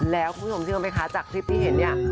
แล้วคุณผู้ชมเชื่อไหมคะจากคลิปที่เห็นเนี่ย